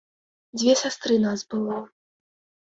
Дзве сястры нас было.